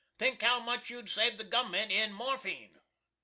Think how much you'd save the Gov'ment in morphine."